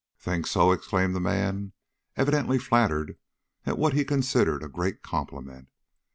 "Think so?" exclaimed the man, evidently flattered at what he considered a great compliment.